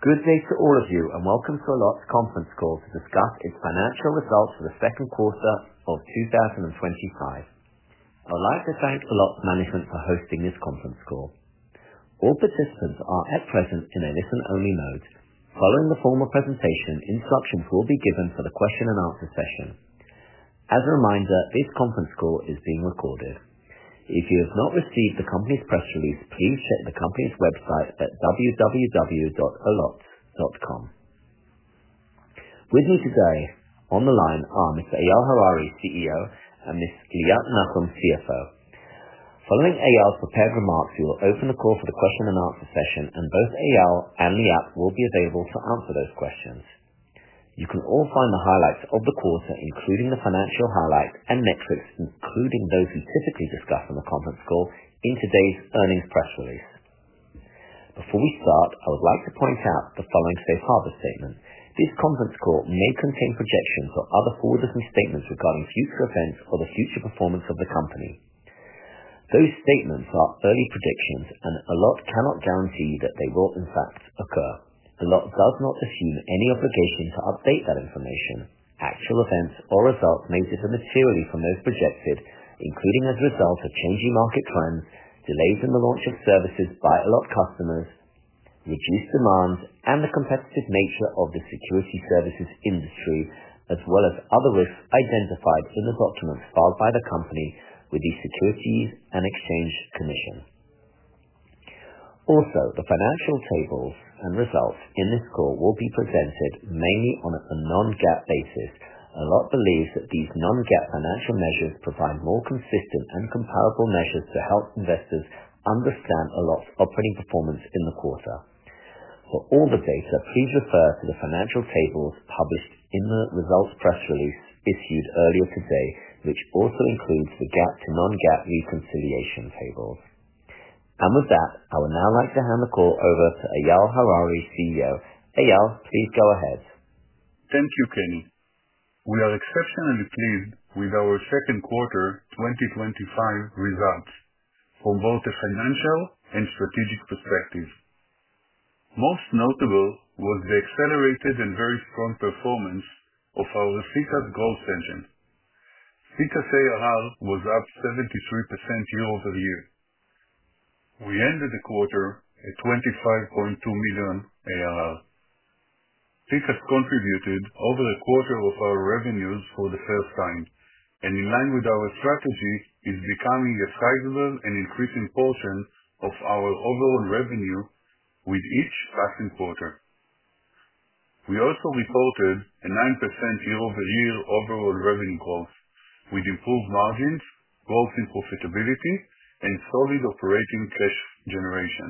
Good day to all of you and welcome to Allot's Conference Call to discuss its Financial Results for the Second Quarter of 2025. I would like to thank Allot Management for hosting this conference call. All participants are at present in a listen-only mode. Following the formal presentation, instructions will be given for the question and answer session. As a reminder, this conference call is being recorded. If you have not received the company's press release, please check the company's website at www.allot.com. With me today on the line are Mr. Eyal Harari, CEO, and Ms. Liat Nahum, CFO. Following Eyal's prepared remarks, we will open the call for the question and answer session, and both Eyal and Liat will be available to answer those questions. You can all find the highlights of the quarter, including the financial highlights, and net risks, including those we typically discuss in the conference call, in today's earnings press release. Before we start, I would like to point out the following safe harbor statement. This conference call may contain projections or other forward-looking statements regarding future events or the future performance of the company. Those statements are only projections, and Allot cannot guarantee that they will, in fact, occur. Allot does not assume any obligation to update that information. Actual events or results may differ materially from those projected, including as a result of changing market trends, delays in the launch of services by Allot customers, reduced demand, and the competitive nature of the security services industry, as well as other risks identified in the documents filed by the company with the Securities and Exchange Commission. Also, the financial tables on results in this call will be presented mainly on a non-GAAP basis. Allot believes that these non-GAAP financial measures provide more consistent and comparable measures to help investors understand Allot's operating performance in the quarter. For all the data, please refer to the financial tables published in the results press release issued earlier today, which also includes the GAAP to non-GAAP reconciliation tables. With that, I would now like to hand the call over to Eyal Harari, CEO. Eyal, please go ahead. Thank you, Kenny. We are exceptionally pleased with our second quarter 2025 results from both a financial and strategic perspective. Most notable was the accelerated and very strong performance of our SECaaS growth [section]. SECaaS ARR was up 73% year-over-year. We ended the quarter at $25.2 million ARR. SECaaS has contributed over a quarter of our revenues for the first time, and in line with our strategy, it is becoming a sizable and increasing portion of our overall revenue with each passing quarter. We also reported a 9% year-over-year overall revenue growth with improved margins, growth in profitability, and solid operating tax generation.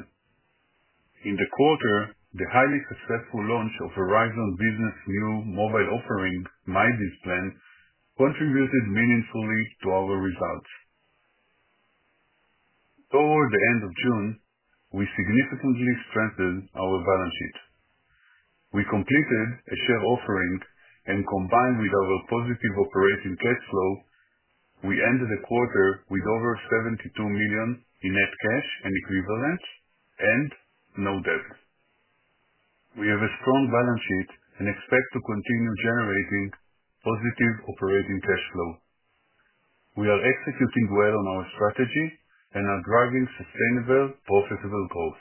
In the quarter, the highly successful launch of Verizon Business' new mobile offering, My Biz Plan, contributed meaningfully to our results. Toward the end of June, we significantly strengthened our balance sheet. We completed a share offering, and combined with our positive operating cash flow, we ended the quarter with over $72 million in net cash and equivalents and no debt. We have a strong balance sheet and expect to continue generating positive operating cash flow. We are executing well on our strategies and are driving sustainable profitable growth.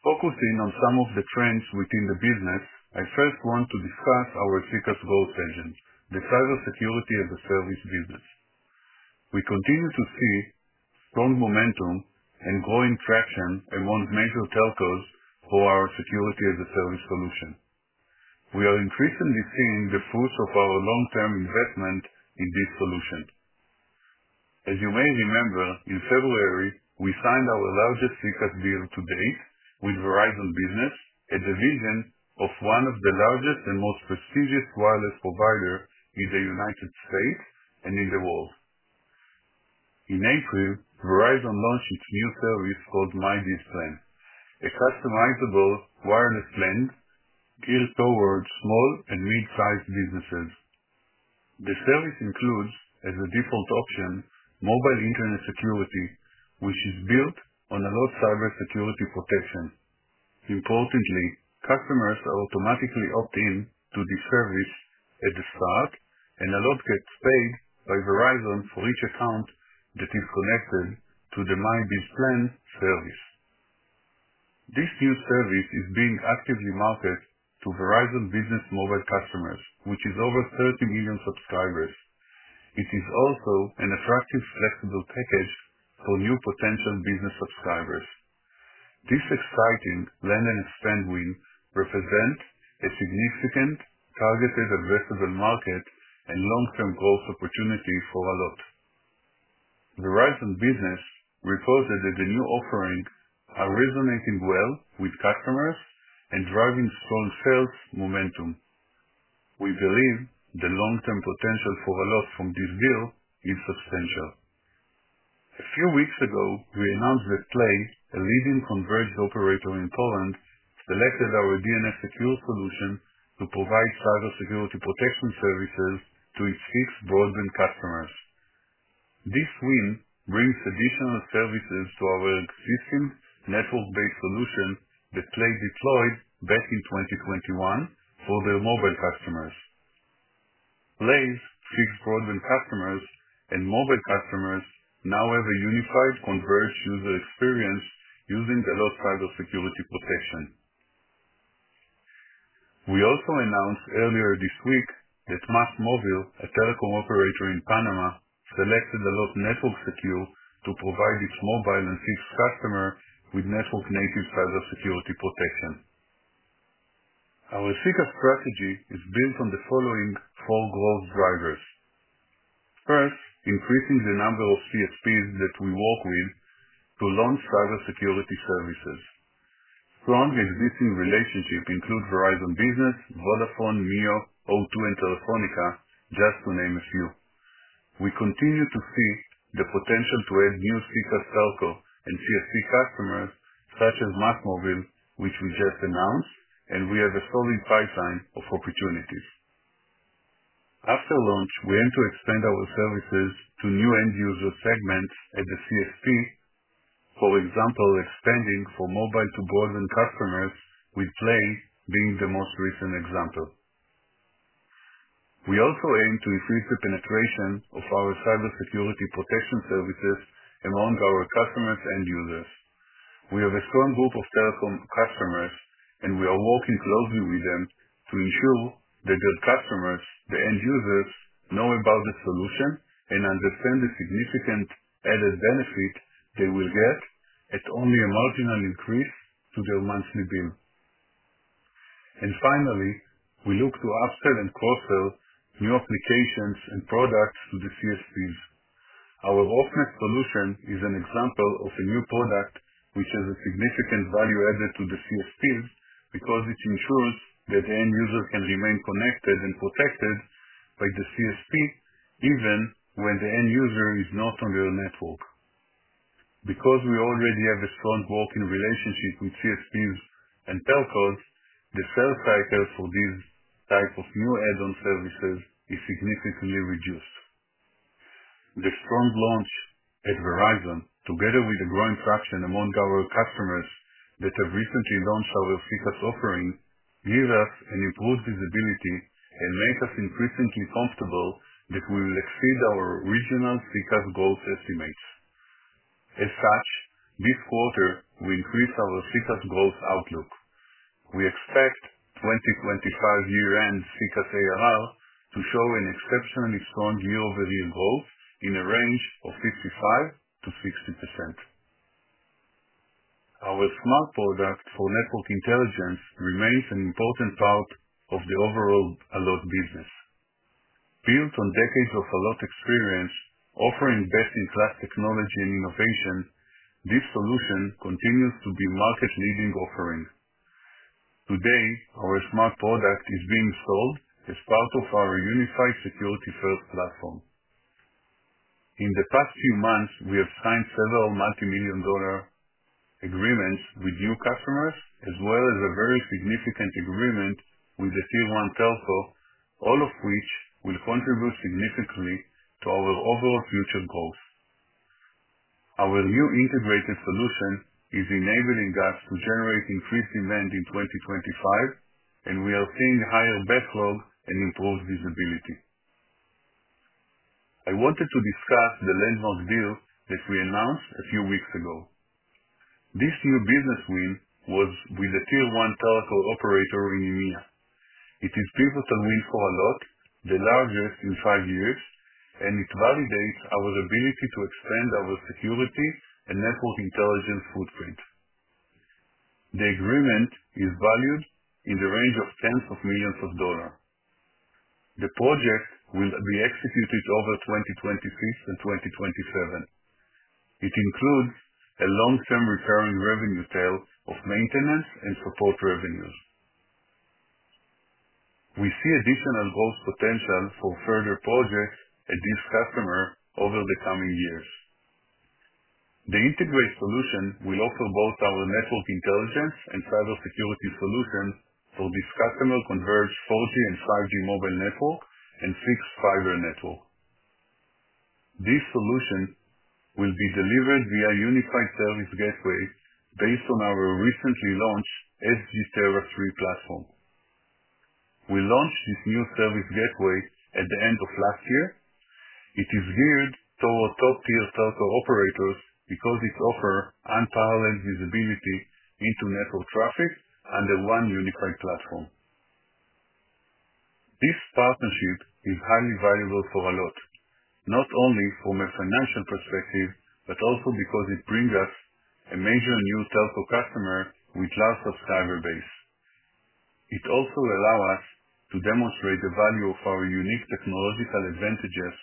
Focusing on some of the trends within the business, I first want to discuss our SECaaS growth vision, the cybersecurity as a service business. We continue to see strong momentum and growing traction amongst major telcos for our Security-as-a-Service solution. We are increasingly seeing the fruits of our long-term investment in this solution. As you may remember, in February, we signed our largest SECaaS deal to date with Verizon Business, a division of one of the largest and most prestigious wireless providers in the U.S. and in the world. In April, Verizon launched its new service called My Biz Plan, a customizable wireless plan geared towards small and mid-sized businesses. The service includes, as a default option, mobile internet security, which is built on Allot's cybersecurity protection. Reportedly, customers automatically opt in to this service at the start, and Allot gets paid by Verizon for each account that is connected to the My Biz Plan service. This new service is being actively marketed to Verizon Business mobile customers, which is over 30 million subscribers. It is also an attractive flexible package for new potential business subscribers. This exciting land and expand win represents a significant targeted addressable market and long-term growth opportunity for Allot. Verizon Business reported that the new offerings are resonating well with customers and driving strong sales momentum. We believe the long-term potential for Allot from this deal is substantial. A few weeks ago, we announced Play, a leading convergent operator in Poland, selected our DNS Secure solution to provide cybersecurity protection services to its fixed broadband customers. This win brings additional services to our existing network-based solution that Play deployed back in 2021 for their mobile customers. Play's fixed broadband customers and mobile customers now have a unified converged user experience using Allot's cybersecurity protection. We also announced earlier this week that Más Móvil, a telecom operator in Panama, selected Allot Network Secure to provide its Mobile and Fixed customers with network-native cybersecurity protection. Our SECaaS strategy is built on the following four growth drivers. First, increasing the number of CSPs that we work with to launch cybersecurity services. Strong existing relationships include Verizon Business, Vodafone, Meo, O2, and Telefónica, just to name a few. We continue to see the potential to add new SECaaS telcos and CSP customers such as Más Móvil, which we just announced, and we have a solid pipeline of opportunities. After launch, we aim to expand our services to new end-user segments at the CSP, for example, expanding from mobile to broadband customers with Play being the most recent example. We also aim to increase the penetration of our cybersecurity protection services among our customers and users. We have a strong group of telecom customers, and we are working closely with them to ensure that their customers, the end users, know about the solution and understand the significant added benefit they will get at only a marginal increase to their monthly bill. Finally, we look to upsell and cross-sell new applications and products to the CSP. Our OffNet solution is an example of a new product which has a significant value added to the CSPs because it ensures that the end users can remain connected and protected by the CSP even when the end user is not on their network. Because we already have a strong working relationship with CSPs and telcos, the sales cycle for these types of new add-on services is significantly reduced. The strong launch at Verizon Business, together with the growing traction among our customers that have recently launched our SECaaS offering, gives us improved visibility and makes us increasingly comfortable that we will exceed our regional SECaaS growth estimates. As such, this quarter, we increase our SECaaS growth outlook. We expect 2025 year-end SECaaS ARR to show an exceptionally strong year-over-year growth in a range of 55%-60%. Our Smart product for network intelligence remains an important part of the overall Allot business. Built on decades of Allot experience, offering best-in-class technology and innovation, this solution continues to be a market-leading offering. Today, our Smart product is being sold as part of our unified security-first platform. In the past few months, we have signed several multimillion-dollar agreements with new customers, as well as a very significant agreement with the Tier 1 telco, all of which will contribute significantly to our overall future growth. Our new integrated solution is enabling us to generate increased demand in 2025, and we are seeing a higher backlog and improved visibility. I wanted to discuss the landmark deal that we announced a few weeks ago. This new business win was with the Tier 1 telco operator in EMEA. It is a pivotal win for Allot, the largest in five years, and it validates our ability to expand our security and network intelligence footprint. The agreement is valued in the range of tens of millions of dollars. The project will be executed over 2023 to 2027. It includes a long-term recurring revenue tail, maintenance, and support revenues. We see additional growth potential for further projects at this customer over the coming years. The integrated solution will offer both our network intelligence and cybersecurity solutions for this customer's converged 4G and 5G mobile network and fixed-fiber networks. This solution will be delivered via a unified service gateway based on our recently launched SG-Tera III platform. We launched this new service gateway at the end of last year. It is geared toward top-tier telco operators because it offers unparalleled visibility into network traffic under one unified platform. This partnership is highly valuable for Allot, not only from a financial perspective, but also because it brings us a major new telco customer with a large subscriber base. It also allows us to demonstrate the value of our unique technological advantages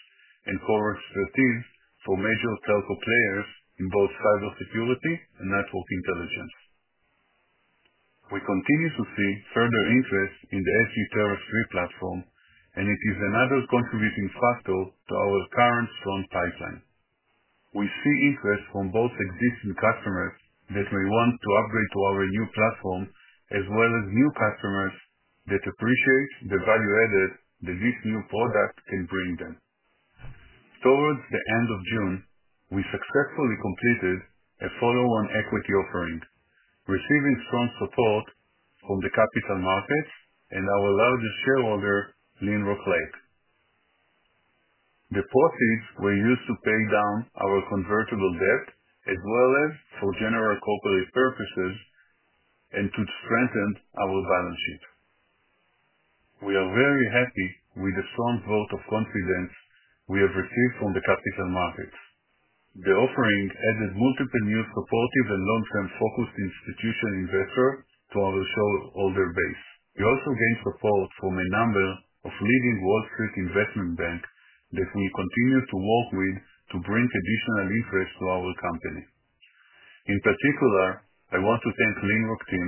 and core expertise for major telco players in both cybersecurity and network intelligence. We continue to see further interest in the SG-Tera III platform, and it is another contributing factor to our current strong pipeline. We see interest from both existing customers that we want to upgrade to our new platform, as well as new customers that appreciate the value added that this new product can bring them. Towards the end of June, we successfully completed a follow-on share offering, receiving strong support from the capital markets and our largest shareholder, Lynrock Lake. The proceeds were used to pay down our convertible debt, as well as for general corporate purposes and to strengthen our balance sheet. We are very happy with the strong vote of confidence we have received from the capital markets. The offering added multiple new supportive and long-term focused institutional investors to our older base. We also gained support from a number of leading Wall Street investment banks that we continue to work with to bring additional interest to our company. In particular, I want to thank the Lynrock team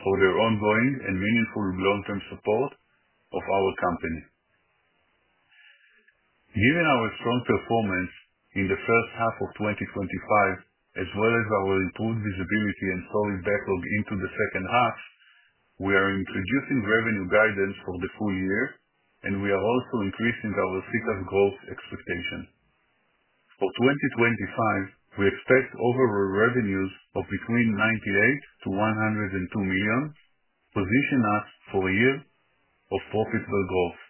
for their ongoing and meaningful long-term support of our company. Given our strong performance in the first half of 2025, as well as our improved visibility and growing backlog into the second half, we are introducing revenue guidance for the full year, and we are also increasing our SECaaS growth expectation. For 2025, we expect overall revenues of between $98 million- $102 million, positioning us for a year of profitable growth.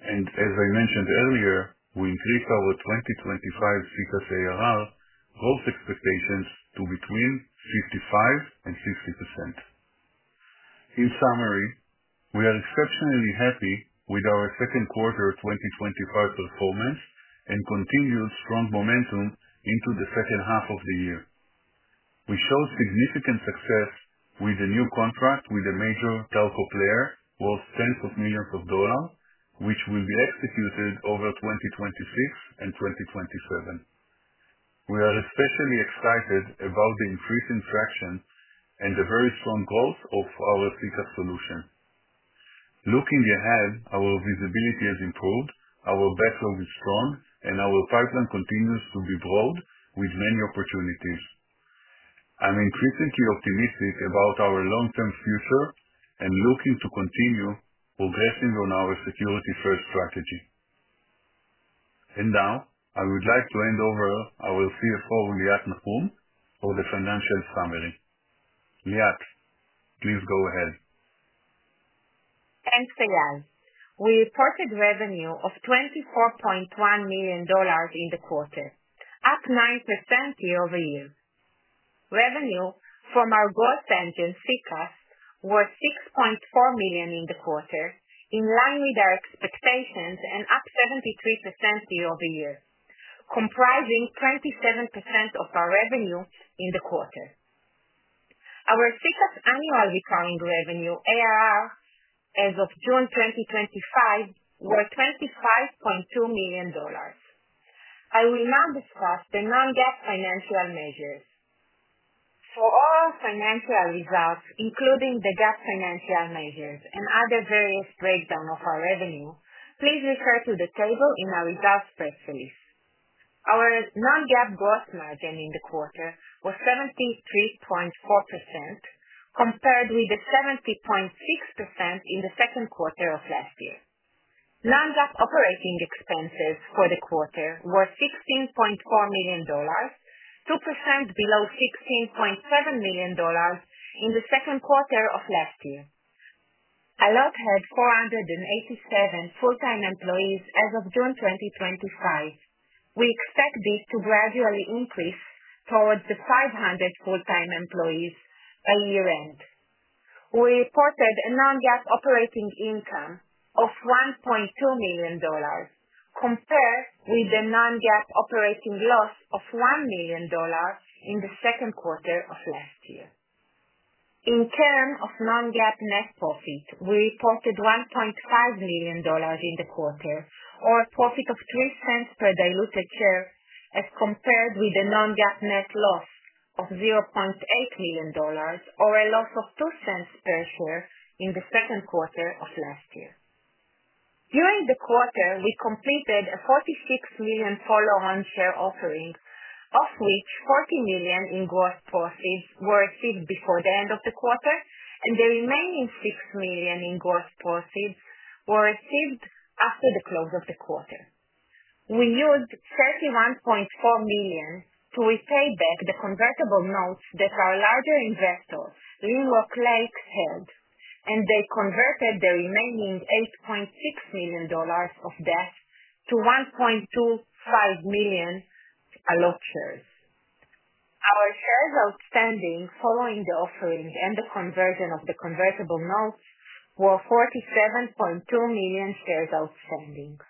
As I mentioned earlier, we increase our 2025 SECaaS ARR growth expectations to between 55% and 60%. In summary, we are exceptionally happy with our second quarter 2025 performance and continue strong momentum into the second half of the year. We showed significant success with the new contract with the major telco player, worth tens of millions of dollars, which will be executed over 2026 and 2027. We are especially excited about the increasing traction and the very strong growth of our SECaaS solution. Looking ahead, our visibility has improved, our backlog is strong, and our pipeline continues to be broad with many opportunities. I'm increasingly optimistic about our long-term future and looking to continue progressing on our security-first strategy. Now, I would like to hand over to our CFO, Liat Nahum, for the financial summary. Liat, please go ahead. Thanks, Eyal. We reported revenue of $24.1 million in the quarter, up 9% year-over-year. Revenue from our growth engine, SECaaS, was $6.4 million in the quarter, in line with our expectations and up 73% year-over-year, comprising 27% of our revenue in the quarter. Our SECaaS annual recurring revenue, ARR as of June 2025 was $25.2 million. I will now discuss the non-GAAP financial measures. For all financial results, including the GAAP financial measures and other various breakdowns of our revenue, please refer to the table in our results press release. Our non-GAAP gross margin in the quarter was 73.4% compared with 70.6% in the second quarter of last year. Non-GAAP operating expenses for the quarter were $16.4 million, 2% below $16.7 million in the second quarter of last year. Allot had 487 full-time employees as of June 2025. We expect this to gradually increase towards 500 full-time employees by year-end. We reported a non-GAAP operating income of $1.2 million, compared with the non-GAAP operating loss of $1 million in the second quarter of last year. In terms of non-GAAP net profit, we reported $1.5 million in the quarter, or a profit of $0.03 per diluted share, as compared with the non-GAAP net loss of $0.8 million, or a loss of $0.02 per share in the second quarter of last year. During the quarter, we completed a $46 million follow-on share offering, of which $40 million in gross proceeds were received before the end of the quarter, and the remaining $6 million in gross proceeds were received after the close of the quarter. We used $31.4 million to repay the convertible notes that our larger investor, Lynrock Lake, held, and they converted the remaining [$8.6] million of debt to 1.25 million Allot shares. Our shares outstanding following the offering and the conversion of the convertible notes were 47.2 million shares outstanding.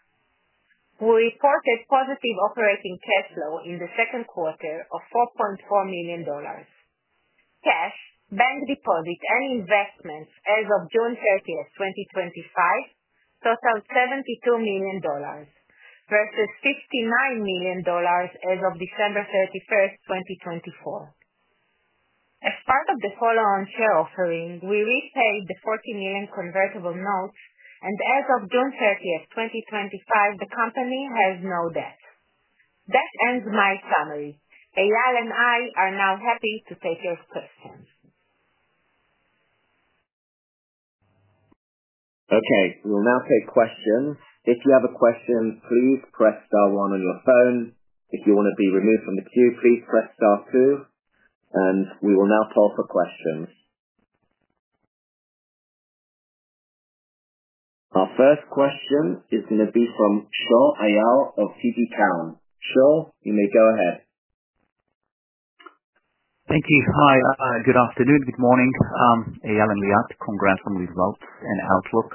We reported positive operating cash flow in the second quarter of $4.4 million. Cash, bank deposit, and investments as of June 30th, 2025, totaled $72 million versus $69 million as of December 31st, 2024. As part of the follow-on share offering, we repaid the $40 million convertible notes, and as of June 30th, 2025, the company has no debt. That ends my summary. Eyal and I are now happy to take your questions. Okay. We'll now take questions. If you have a question, please press star one on your phone. If you want to be removed from the queue, please press star two. We will now call for questions. Our first question is going to be from Shaul Eyal of TD Cowen. Shaul, you may go ahead. Thank you. Hi. Good afternoon. Good morning. Eyal and Liat, congrats on the results and outlook.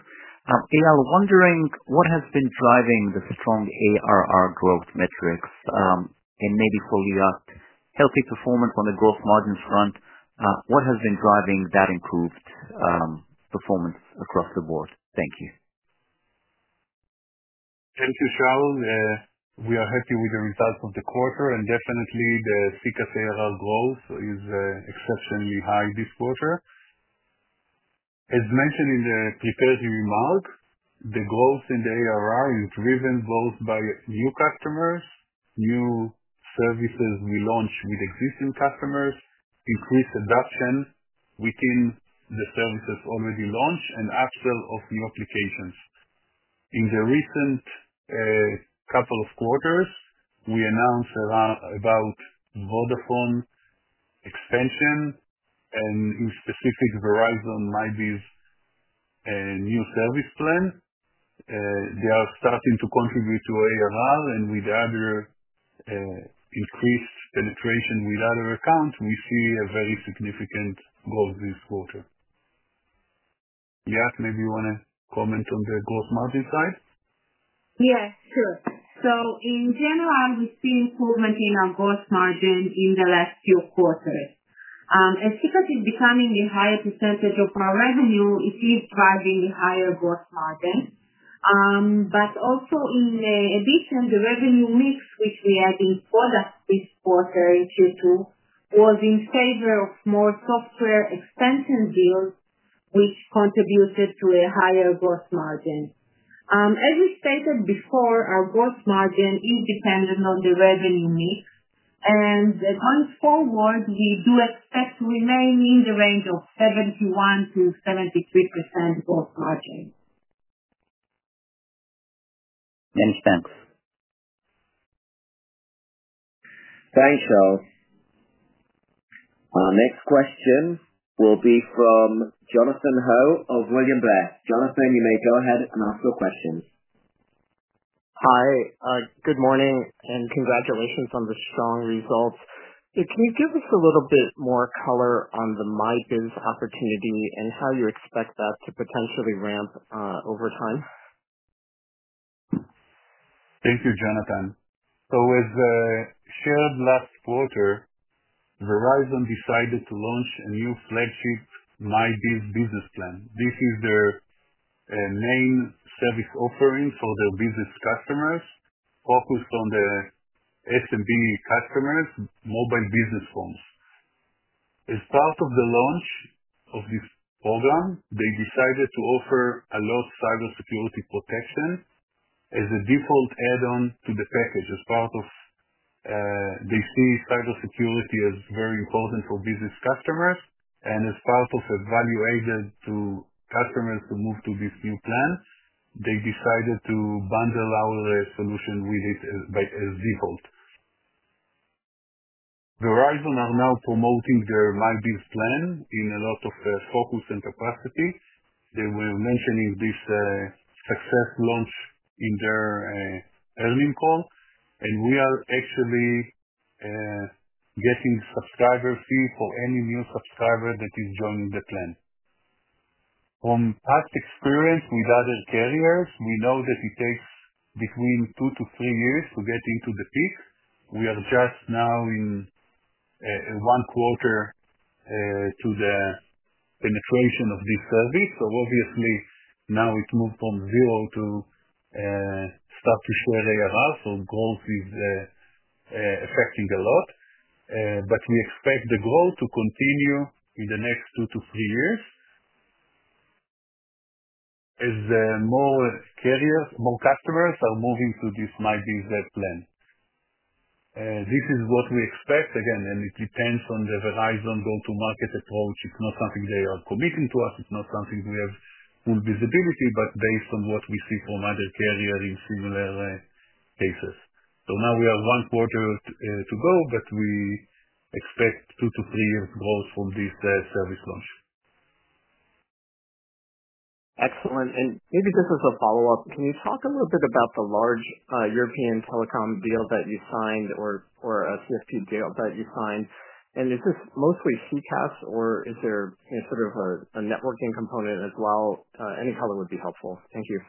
Eyal, wondering what has been driving the strong ARR growth metrics? Maybe for Liat, healthy performance on the gross margins front, what has been driving that improved performance across the board? Thank you. Thank you, Shaul. We are happy with the results of the quarter, and definitely, the SECaaS ARR growth is at 4% high this quarter. As mentioned in the prepared remarks, the growth in the ARR is driven both by new customers, new services we launch with existing customers, increased adoption within the services already launched, and upsell of new applications. In the recent couple of quarters, we announced about Vodafone's expansion, on specific Verizon My Biz new service plans. They are starting to contribute to ARR, and with other increased integration with other accounts, we see a very significant growth this quarter. Liat, maybe you want to comment on the gross margin side? Yes, sure. In general, we see improvement in our gross margin in the last few quarters. As SECaaS is becoming a higher percentage of our revenue, it is driving a higher gross margin. In addition, the revenue mix, which we had in the second quarter, was in favor of more software expansion deals, which contributed to a higher gross margin. As we stated before, our gross margin is dependent on the revenue mix, and going forward, we do expect to remain in the range of 71%-73% gross margin. Many thanks. Thanks, Shaul. Our next question will be from Jonathan Ho of William Blair. Jonathan, you may go ahead and ask your questions. Hi. Good morning and congratulations on the strong results. Can you give us a little bit more color on My Biz Plan opportunity and how you expect that to potentially ramp over time? Thank you, Jonathan. As I shared last quarter, Verizon Business decided to launch a new flagship My Biz Plan. This is their main service offering for their business customers, focused on the SMB customers, mobile business phones. As part of the launch of this add-on, they decided to offer Allot's cybersecurity protection as a default add-on to the package. They see cybersecurity as very important for business customers, and as part of a value added to customers to move to this new plan, they decided to bundle our solution with it as a default. Verizon are now promoting their My Biz Plan with a lot of focus and capacity. They were mentioning this successful launch in their earlier call, and we are actually getting subscribers here for any new subscriber that is joining the plan. From past experience with other carriers, we know that it takes between two to three years to get into the pit. We are just now in one quarter to the penetration of this service. Obviously, now it moved from zero to starting to where they are at, so growth is affecting a lot. We expect the growth to continue in the next two to three years as more carriers, more customers are moving to this My Biz Plan. This is what we expect. Again, it depends on the Verizon go-to-market approach. It's not something they are committing to us. It's not something we have full visibility, but based on what we see from other carriers in similar cases. Now we have one quarter to go, but we expect two to three years' growth from this service launch. Excellent. Maybe this is a follow-up. Can you talk a little bit about the large European telecom deal that you signed or a CSP deal that you signed? Is this mostly SECaaS, or is there any sort of a networking component as well? Any color would be helpful. Thank you.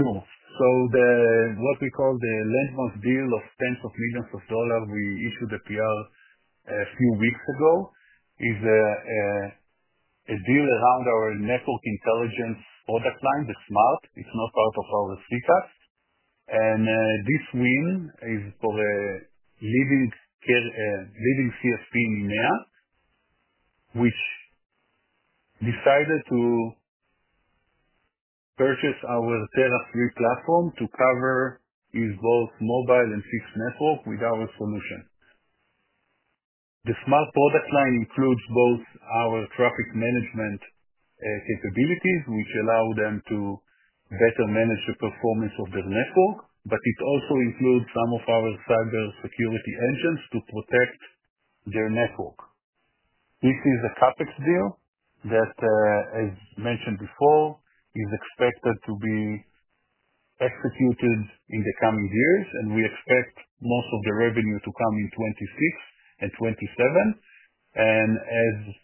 Sure. What we call the landmark deal of tens of millions of dollars we issued a deal a few weeks ago, is a deal around our network intelligence product line, the Smart. It's not part of our SECaaS. This win is for a leading CSP in EMEA, which decided to purchase our Tera III platform to cover both mobile and fixed networks with our solution. The Smart product line includes both our traffic management capabilities, which allow them to better manage the performance of their network, but it also includes some of our cybersecurity engines to protect their network. This is a CapEx deal that, as mentioned before, is expected to be executed in the coming years, and we expect most of the revenue to come in 2026 and 2027. As a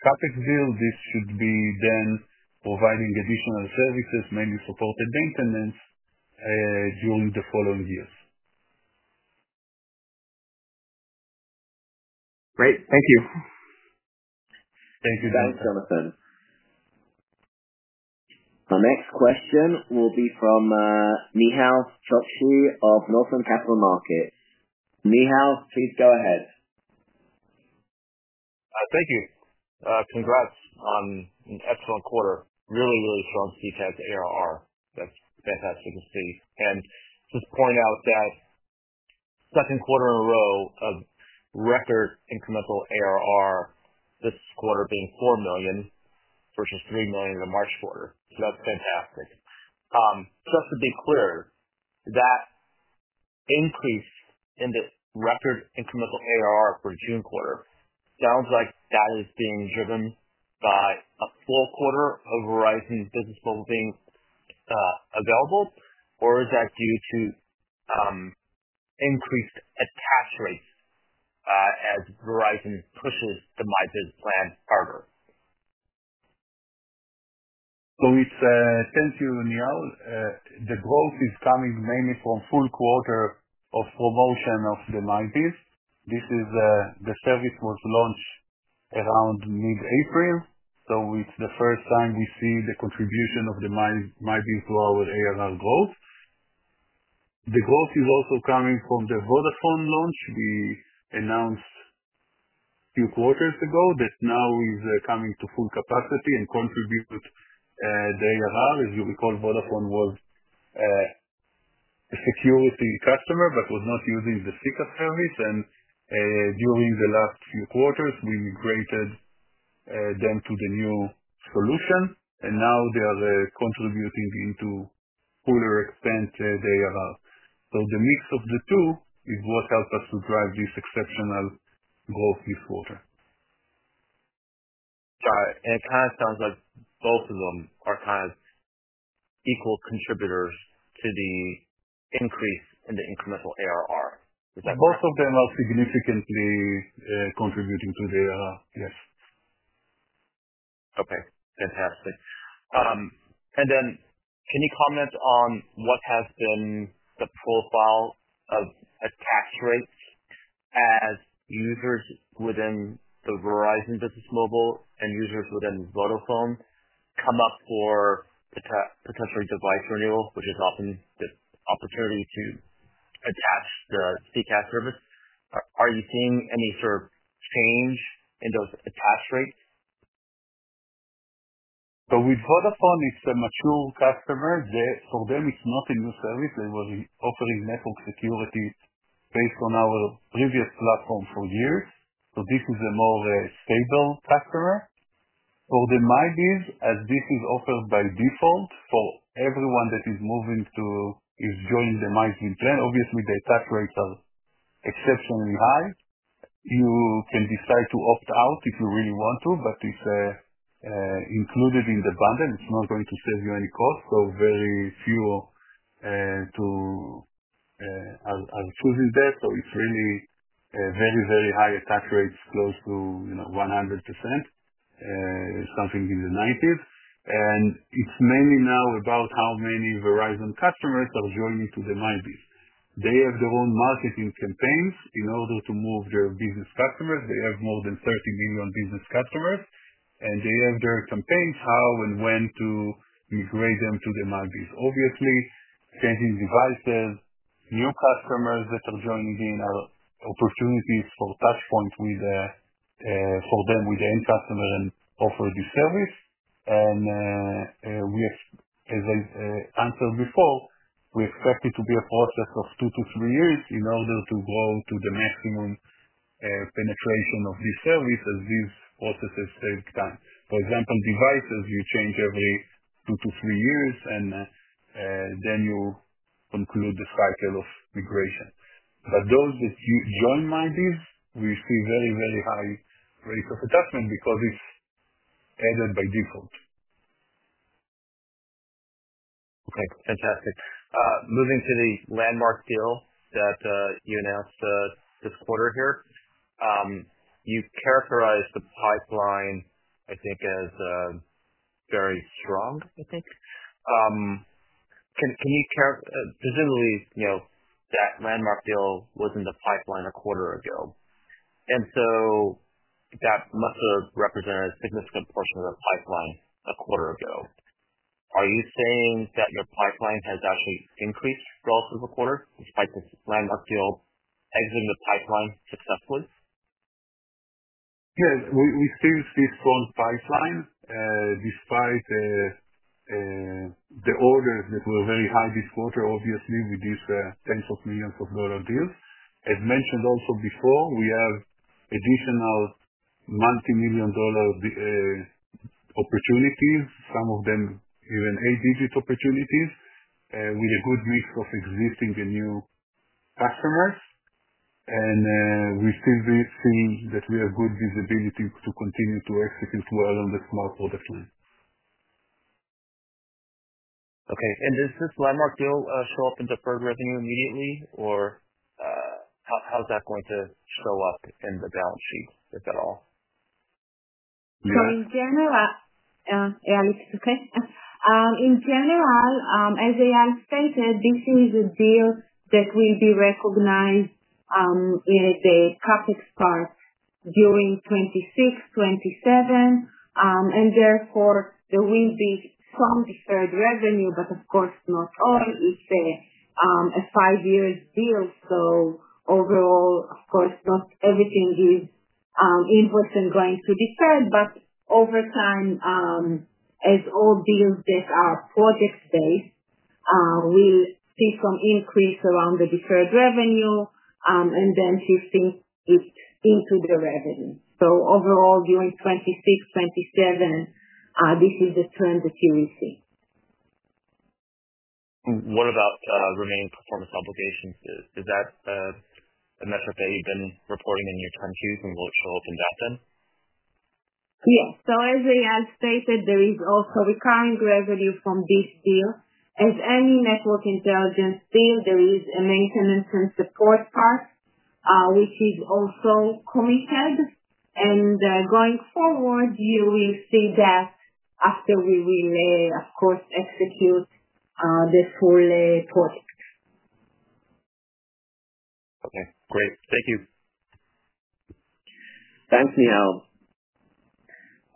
CapEx deal, this should then be providing additional services, mainly support and maintenance, during the following years. Great. Thank you. Thank you, Jonathan. Thanks, Jonathan. Thank you. Our next question will be from Nehal Chokshi of Northern Capital Markets. Nehal, please go ahead. Thank you. Congrats on an excellent quarter. Really, really strong SECaaS ARR. That's fantastic to see. I just want to point out that this is the second quarter in a row of record incremental ARR, this quarter being $4 million versus $3 million in the March quarter. That's fantastic. Just to be clear, that increase in the record incremental ARR for the June quarter, it sounds like that is being driven by a full quarter of Verizon Business Holding available, or is that due to increased attach rates, as Verizon pushes the My Biz Plan harder? Thank you, Nehal. The growth is coming mainly from a full quarter of promotion of My Biz. the service was launched around mid-April, so it's the first time we see the contribution of My Bizto our ARR growth. The growth is also coming from the Vodafone launch we announced a few quarters ago that now is coming to full capacity and contributes to the ARR. As you recall, Vodafone was a security customer but was not using the SECaaS service. During the last few quarters, we migrated them to the new solution, and now they are contributing into a fuller extent of the ARR. The mix of the two is what helps us to drive this exceptional growth this quarter. Got it. It kind of sounds like both of them are kind of equal contributors to the increase in the incremental ARR. Is that? Both of them are significantly contributing to the ARR, yes. Okay. Fantastic. Can you comment on what has been the profile of attach rates as users within the Verizon Business Mobile and users within Vodafone come up for potential device renewal, which is often the opportunity to attach their SECaaS service? Are you seeing any sort of change in those attach rates? With Vodafone, it's a mature customer. For them, it's not a new service. They were offering network security based on our previous platform for years. This is a more stable customer. For the My Biz, as this is offered by default for everyone that is moving to join the My Biz, obviously, the attach rates are exceptionally high. You can decide to opt out if you really want to, but it's included in the bundle. It's not going to save you any cost. Very few are choosing that. It's really a very, very high attach rate, close to 100%, something in the nineties. It's mainly now about how many Verizon customers are joining to the My Biz. They have their own marketing campaigns in order to move their business customers. They have more than 30 million business customers, and they have their campaigns, how and when to migrate them to the My Biz. Obviously, changing devices, new customers that are joining in are opportunities for touch points for them with the end customer and offer this service. As I answered before, we expect it to be a process of two to three years in order to grow to the maximum penetration of this service as these processes take time. For example, devices you change every two to three years, and then you conclude the cycle of migration. Those that join My Biz, we see very, very high rates of attachment because it's added by default. Great. Fantastic. Moving to the landmark deal that you announced this quarter, you've characterized the pipeline as very strong, I think. Can you, presumably, you know that landmark deal was in the pipeline a quarter ago, and so that must have represented a significant portion of the pipeline a quarter ago. Are you saying that your pipeline has actually increased relative to the quarter despite this landmark deal exiting the pipeline successfully? Yes. We finished this phone pipeline despite the orders that were very high this quarter. Obviously, we did the tens of millions of dollar deals. As mentioned also before, we have additional multimillion-dollar opportunities, some of them even eight-digit opportunities, with a good mix of existing and new customers. We're still very keen that we have good visibility to continue to exit as well on the small quarter plan. Okay. Does this landmark deal show up in the program immediately, or how is that going to show up in the balance sheet, if at all? In general, as Eyal stated, this is a deal that will be recognized as a perfect start during 2026, 2027. Therefore, there will be some deferred revenue, but of course, not all. It's a five-year deal. Overall, not everything is invoiced and going to be fed, but over time, as all deals that are project-based, we'll see some increase around the deferred revenue, and then [15 is] into the revenue. Overall, during 2026, 2027, this is the trend that you will see. What about remaining performance obligations? Is that a metric that you've been reporting in your time queue, and we'll follow up on that then? Yes. As Eyal stated, there is also recurring revenue from this deal. In any network intelligence deal, there is a maintenance and support cost, which is also committed. Going forward, you will see that after we will, of course, execute this whole product. Okay, great. Thank you. Thanks, Nehal.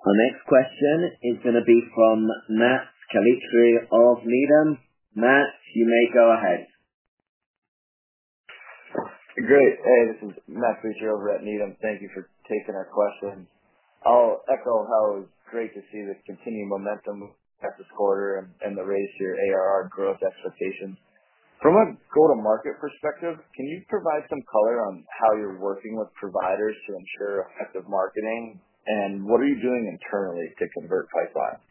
Our next question is going to be from Matt Calitri of Needham. Matt, you may go ahead. Great. Hey, this is Matt Calitri over at Needham. Thank you for taking our question. I'll echo how great to see the continued momentum at this quarter and the raise to your ARR growth expectations. From a go-to-market perspective, can you provide some color on how you're working with providers to ensure effective marketing, and what are you doing internally to convert pipelines?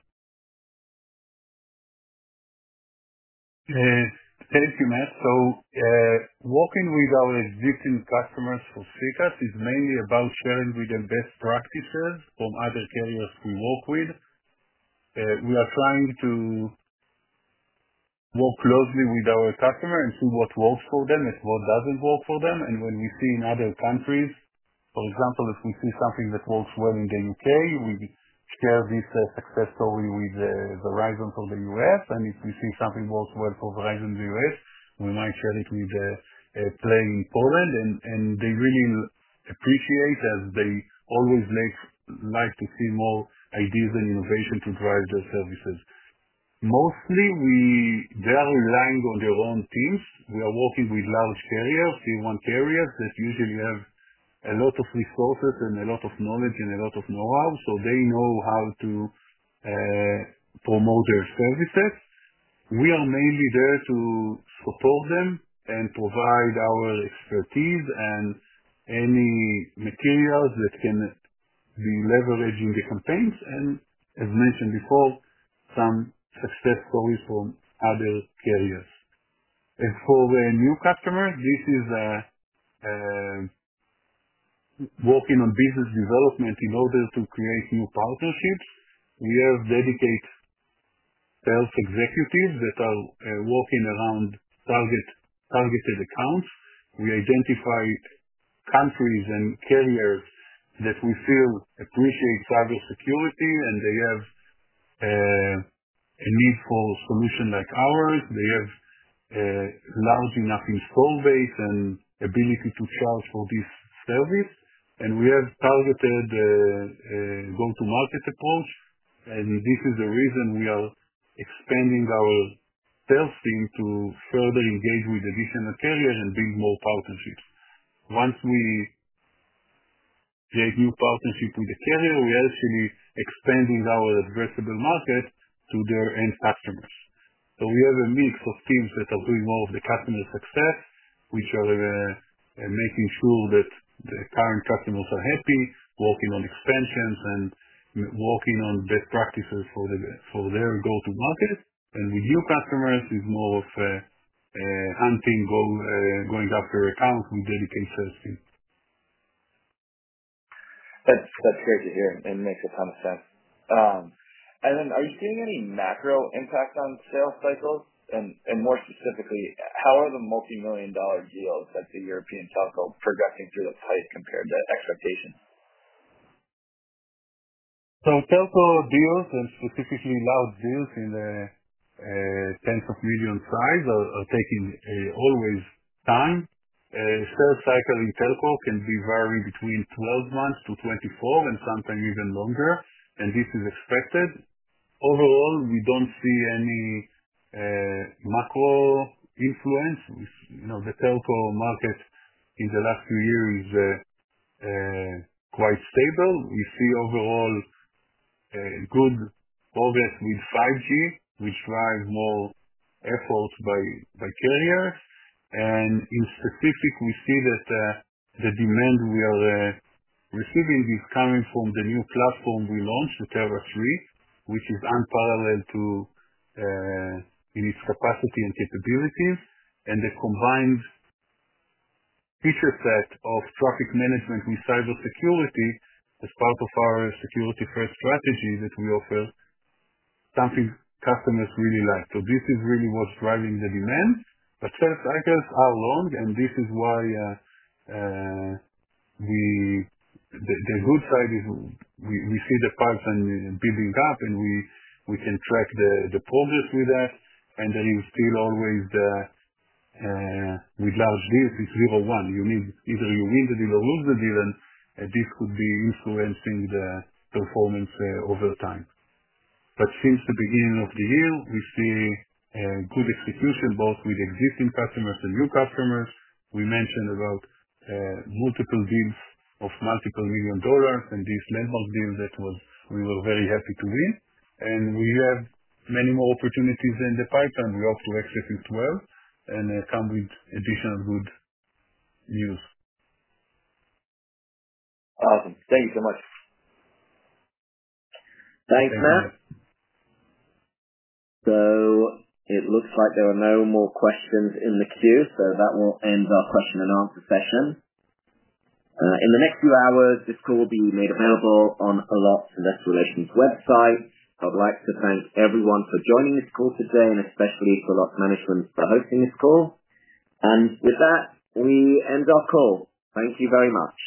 Thank you, Matt. Working with our existing customers for SECaaS is mainly about sharing with them best practices from other carriers we work with. We are trying to work closely with our customers and see what works for them and what doesn't work for them. When we see in other countries, for example, if we see something that works well in the U.K., we share this success story with Verizon for the U.S. If we see something works well for Verizon U.S., we might share it with Play in Poland. They really appreciate it as they always like to see more ideas and innovation to drive their services. Mostly, they are relying on their own teams. We are working with large carriers, C1 carriers that usually have a lot of resources and a lot of knowledge and a lot of know-how. They know how to promote their services. We are mainly there to support them and provide our expertise and any materials that can be leveraged in the campaigns, and as mentioned before, some success stories from other carriers. For new customers, this is working on business development in order to create new partnerships. We have dedicated sales executives that are working around targeted accounts. We identify countries and carriers that we feel appreciate cybersecurity, and they have a need for a solution like ours. They have a large enough call base and ability to charge for this service. We have targeted the go-to-market approach. This is the reason we are expanding our sales team to further engage with additional carriers and build more partnerships. Once we create new partnerships with the carrier, we are actually expanding our addressable market to their end customers. We have a mix of teams that are doing more of the customer success, which are making sure that the current customers are happy, working on expansions, and working on best practices for their go-to-market. With new customers, it's more of a hunting, going after accounts with dedicated sales teams. That's great to hear and makes a ton of sense. Are you seeing any macro impact on sales cycles? More specifically, how are the multimillion-dollar deals at the European telcos progressing through the ties compared to expectations? Telco deals, and specifically large deals in the tens of million size, are always taking time. Sales cycles in telco can vary between 12 months to 24 months and sometimes even longer, and this is expected. Overall, we don't see any macro influence. The telco market in the last few years is quite stable. We see overall good progress with 5G, which drives more effort by carriers. In specific, we see that the demand we are receiving is coming from the new platform we launched the Tera III, which is unparalleled in its capacity and capabilities. The combined feature set of traffic management with cybersecurity as part of our security-first strategy that we offer is something customers really like. This is really what's driving the demand. Sales cycles are long, and the good side is we see the pipeline building up, and we can track the progress with that. There is still always with large deals, it's zero-one. You either win the deal or lose the deal, and this could be influencing the performance over time. Since the beginning of the year, we're seeing good execution both with existing customers and new customers. We mentioned multiple deals of multiple million dollars, and this landmark deal that we were very happy to win. We have many more opportunities in the pipeline. We offer extras as well and some additional good news. Awesome. Thank you so much. Thanks, Matt. It looks like there are no more questions in the queue, so that will end our question and answer session. In the next few hours, this call will be made available on Allot's investor relations website. I would like to thank everyone for joining this call today and especially to Allot Management for hosting this call. With that, we end our call. Thank you very much.